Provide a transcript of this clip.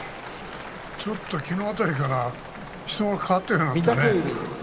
ちょっときのう辺りから正代は人が変わったようなね。